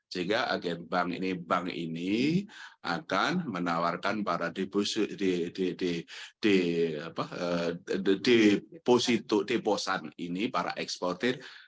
jika agen bank ini bank ini akan menawarkan para deposito deposan ini para ekspor